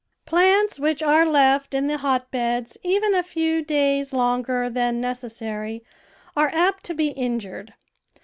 Plants which are left in the hotbeds even a few days longer than necessary are apt to be injured.